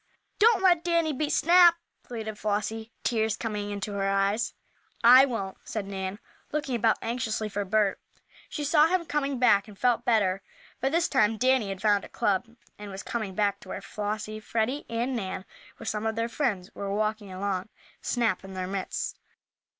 "Don't let Danny beat Snap!" pleaded Flossie, tears coming into her eyes. "I won't," said Nan, looking about anxiously for Bert. She saw him coming back, and felt better. By this time Danny had found a club, and was coming back to where Flossie, Freddie and Nan, with some of their friends, were walking along, Snap in their midst.